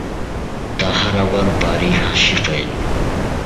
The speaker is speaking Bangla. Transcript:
তাহার আবার ভারি হাসি পাইল।